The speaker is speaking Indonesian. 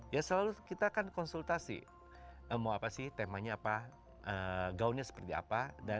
ya selalu kita akan konsultasi mau apa sih temanya apa gaunnya seperti apa